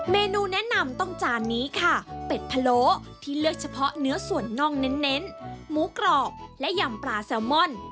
เมนูแนะนำต้องจานนี้ค่ะเป็ดพะโล้ที่เลือกเฉพาะเนื้อส่วนน่องเน้นหมูกรอบและยำปลาแซลมอน